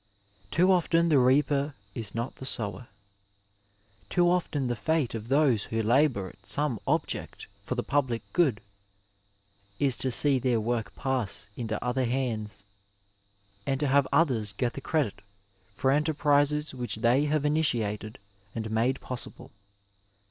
Too often the reaper is not the sower. Too often the fate of those who labour at some object for the public good is to see their work pass into other hands, and to have others get the credit for enterprises which they have initiated and made possible.